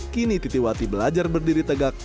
kini titiwati belajar berdiri tegak